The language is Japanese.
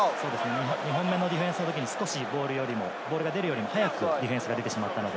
日本のディフェンスのときにボールが出るより早くディフェンスが出てしまったので。